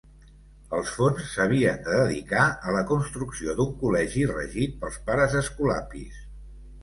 Els fons s'havien de dedicar a la construcció d'un col·legi regit pels pares escolapis.